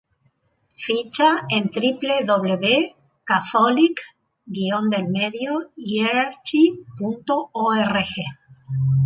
Ficha en www.catholic-hierarchy.org